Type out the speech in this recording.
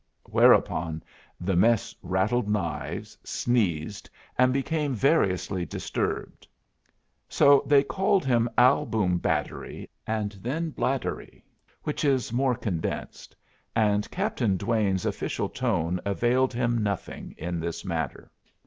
Whereupon the mess rattled knives, sneezed, and became variously disturbed. So they called him Albumbattery, and then Blattery, which is more condensed; and Captain Duane's official tone availed him nothing in this matter.